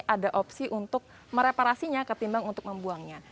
ada opsi untuk mereparasinya ketimbang untuk membuangnya